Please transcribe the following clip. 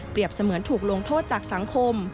เสมือนถูกลงโทษจากสังคม